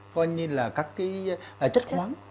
coi như là các cái chất khoáng